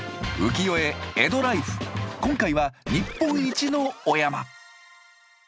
今回は日本一のお山。